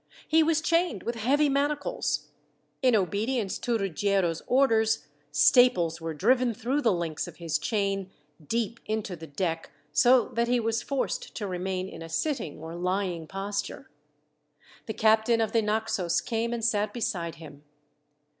He was chained with heavy manacles. In obedience to Ruggiero's orders, staples were driven through the links of his chain deep into the deck, so that he was forced to remain in a sitting or lying posture. The captain of the Naxos came and sat beside him.